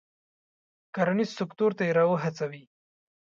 کرنیز سکتور ته یې را و هڅوي.